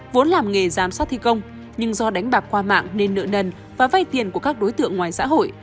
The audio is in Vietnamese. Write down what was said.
vốn làm nghề giám sát thi công nhưng do đánh bạc qua mạng nên nợ nần và vay tiền của các đối tượng ngoài xã hội